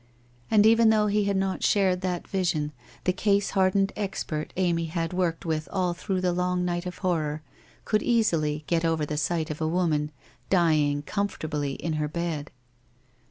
And even though he had not shared that vision, the case hard ened expert Amy had worked with all through the long night of horror could easily get over the sight of a woman dying comfortably in her bed.